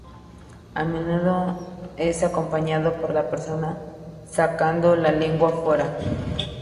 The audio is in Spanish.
A menudo es acompañado por la persona sacando la lengua fuera.